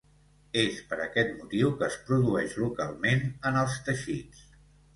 És per aquest motiu que es produeix localment en els teixits.